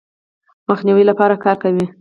مخنیوي لپاره کار کوي.